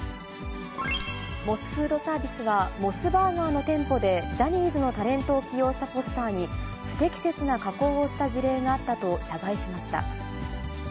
モスフードサービスは、モスバーガーの店舗で、ジャニーズのタレントを起用したポスターに、不適切な加工をした事例があったと謝罪しました。